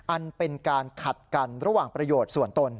อันเป็นการขัดกันระหว่างประโยชน์ส่วนตน